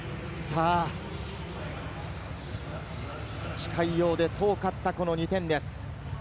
近いようで遠かった２点です。